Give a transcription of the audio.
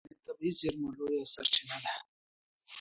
مځکه د طبعي زېرمو لویه سرچینه ده.